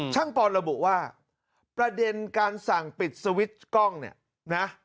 ปอนระบุว่าประเด็นการสั่งปิดสวิตช์กล้องเนี่ยนะ